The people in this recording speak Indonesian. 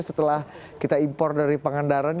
setelah kita impor dari pangandaran